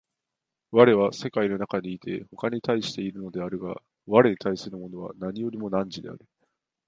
我は世界の中にいて他に対しているのであるが、我に対するものは何よりも汝である。